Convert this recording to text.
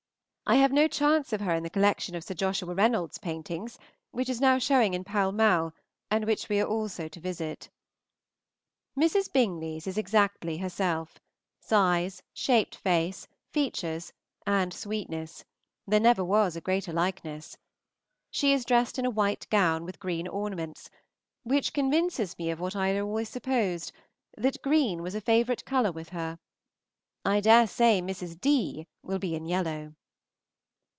I have no chance of her in the collection of Sir Joshua Reynolds's paintings, which is now showing in Pall Mall, and which we are also to visit. Mrs. Bingley's is exactly herself, size, shaped face, features, and sweetness; there never was a greater likeness. She is dressed in a white gown, with green ornaments, which convinces me of what I had always supposed, that green was a favorite color with her. I dare say Mrs. D. will be in yellow.